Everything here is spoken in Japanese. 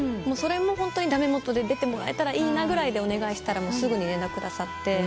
それもホントに駄目もとで出てもらえたらいいなぐらいでお願いしたらすぐに連絡くださって。